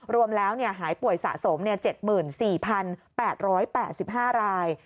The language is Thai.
รวมแล้วหายป่วยสะสม๗๔๘๘๕ราย